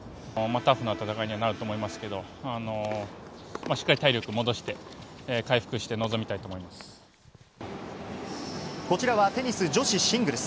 タフな戦いにはなると思いますけど、しっかり体力戻して、こちらはテニス女子シングルス。